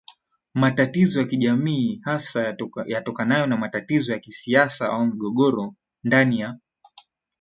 matatizo ya kijamii hasa yatokanayo na matatizo ya kisiasa au migogoro ya ndani ya